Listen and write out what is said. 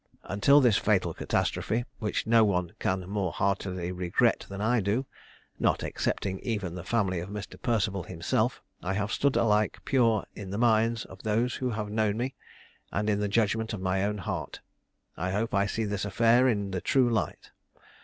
Until this fatal catastrophe, which no one can more heartily regret than I do, not excepting even the family of Mr. Perceval himself, I have stood alike pure in the minds of those who have known me, and in the judgment of my own heart. I hope I see this affair in the true light.